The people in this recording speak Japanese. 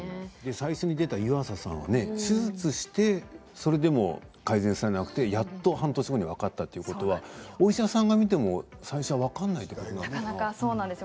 最初に出た湯浅さんは手術をしても改善されなくてやっと半年後に分かったということはお医者さんが診ても最初は分からないんですか？